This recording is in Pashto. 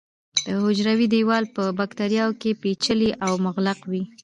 د حجروي دیوال په باکتریاوو کې پېچلی او مغلق وي.